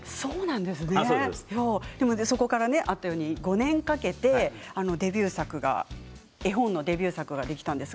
そこから５年かけて絵本のデビュー作ができたんです。